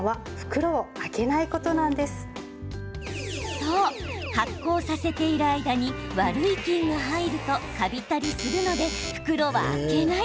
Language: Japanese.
そう、発酵をさせている間に悪い菌が入るとカビたりするので袋は開けない。